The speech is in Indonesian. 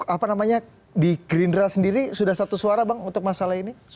apa namanya di gerindra sendiri sudah satu suara bang untuk masalah ini